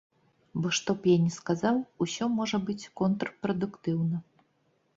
Бо што б я ні сказаў, усё можа быць контрпрадуктыўна.